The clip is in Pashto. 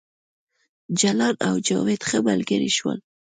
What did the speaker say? جلان او جاوید ښه ملګري شول